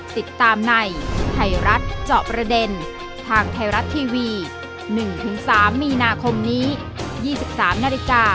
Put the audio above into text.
ติดตามในไทรัตรจบระเด็นทางไทรัตทีวีหนึ่งถึงสามมีนาคมนี้ยี่สิบสามนาฬิกา